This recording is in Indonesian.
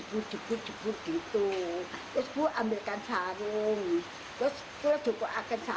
pulangnya saya tidak tahu kalau dia itu lainnya itu kakar karuan ini saya tidak tahu